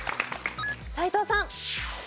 斎藤さん。